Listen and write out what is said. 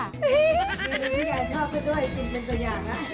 มีเมนูที่แกชอบกันด้วยกินเป็นส่วนอย่าง